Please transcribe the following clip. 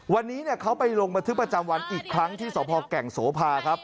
วันนี้เขาไปลงบันทึกประจำวันอีกครั้งที่สพแก่งโสภาครับ